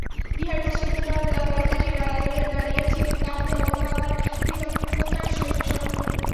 ইহার পশ্চাতে যাঁহারা কলকাঠি নাড়িয়াছিলেন, তাঁহাদের অবদান আমরা কৃতজ্ঞতার সহিত স্মরণ করি।